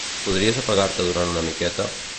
Podries apagar-te durant una miqueta?